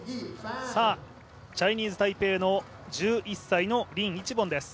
チャイニーズ・タイペイの１１歳の林逸凡です。